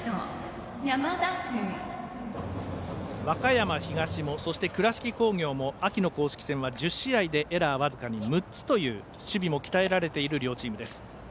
和歌山東も倉敷工業も秋の公式戦は１０試合でエラーは僅かに６つという守備も鍛えられている両チーム。